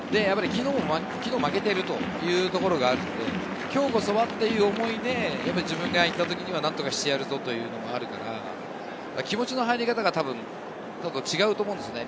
昨日負けているというところがあるので、今日こそはという思いで自分が行った時には何とかしてやるぞという思いがあるから、気持ちの入り方が違うと思うんですよね。